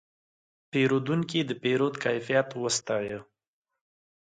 پیرودونکی د پیرود کیفیت وستایه.